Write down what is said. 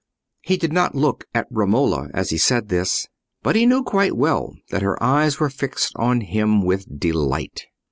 He did not look at Romola as he said this, but he knew quite well that her eyes were fixed on him with delight.